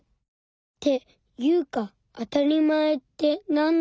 っていうかあたりまえってなんだろう。